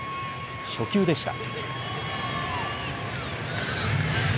初球でした。